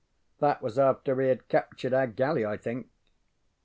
That was after he had captured our galley, I think.